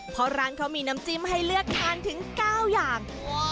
เพราะร้านเขามีน้ำจิ้มให้เลือกทานถึง๙อย่าง